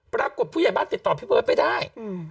ปรากฏผู้ใหญ่บ้านติดต่อพี่เบิร์ตไม่ได้